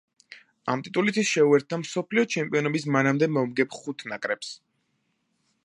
ამ ტიტულით ის შეუერთდა მსოფლიო ჩემპიონობის მანამდე მომგებ ხუთ ნაკრებს.